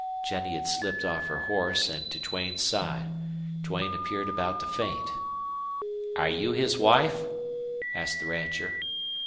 Jennie had slipped off her horse and to Duane's side. Duane appeared about to faint. "Air you his wife?" asked the rancher.